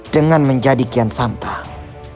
dengan menjadi kian santang